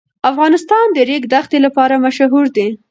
افغانستان د ریګ دښتې لپاره مشهور دی.